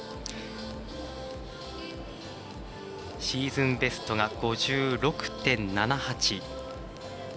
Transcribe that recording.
シーズンベストが５６．７８。